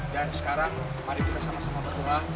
dan sekarang mari kita sama sama berdoa